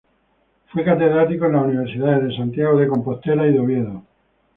Fue catedrático en las universidades de Santiago de Compostela y de Oviedo.